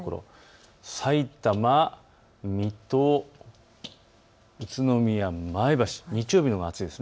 さいたま、水戸宇都宮、前橋、日曜日のほうが暑いです。